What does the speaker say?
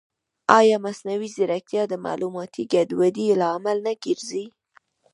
ایا مصنوعي ځیرکتیا د معلوماتي ګډوډۍ لامل نه ګرځي؟